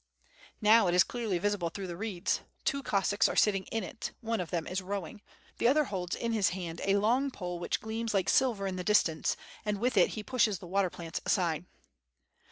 Now it is clearly visible through the reeds. Two Cossacks are sitting in it. One of them is rowing. The other holds in his hand a long pole which gleams like silver in the distance, and with it he pushes the water plants aside.